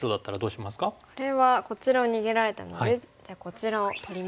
これはこちらを逃げられたのでじゃあこちらを取ります。